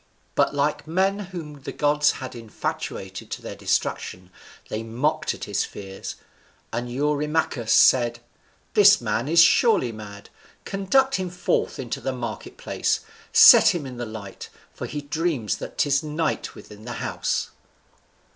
But like men whom the gods had infatuated to their destruction, they mocked at his fears, and Eurymachus said, "This man is surely mad; conduct him forth into the market place, set him in the light, for he dreams that 'tis night within the house."